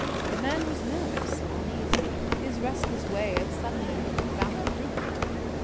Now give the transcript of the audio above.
The man was nervous, uneasy. His restless way of suddenly looking about him proved it.